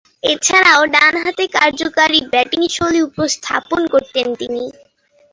এছাড়াও, ডানহাতে কার্যকরী ব্যাটিংশৈলী উপস্থাপন করতেন তিনি।